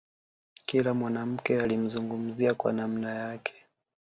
Kila mwanamke alimzungumzia kwa namna yake